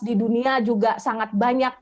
di dunia juga sangat banyak